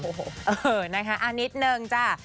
เออนะฮะอะนิดนึงจ้า